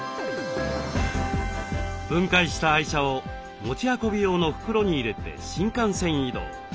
分解した愛車を持ち運び用の袋に入れて新幹線移動。